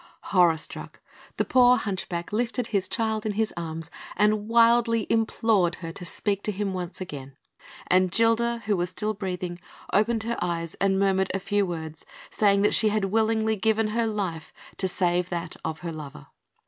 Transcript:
Horror struck, the poor hunchback lifted his child in his arms, and wildly implored her to speak to him once again; and Gilda, who was still breathing, opened her eyes and murmured a few words, saying that she had willingly given her life to save that of her lover.